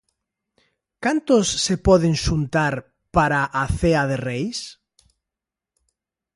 Cantos se poden xuntar para a cea de Reis?